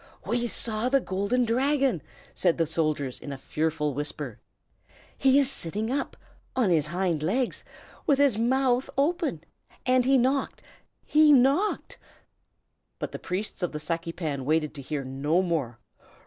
"We saw the Golden Dragon!" said the soldiers, in a fearful whisper. "He is sitting up on his hind legs with his mouth open! and he knocked he knocked " But the priests of the Saki Pan waited to hear no more.